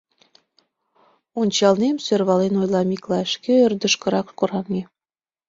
Ончалнем, — сӧрвален ойла Миклай, шке ӧрдыжкырак кораҥе.